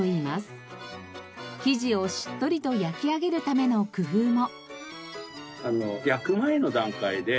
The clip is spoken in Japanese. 生地をしっとりと焼き上げるための工夫も。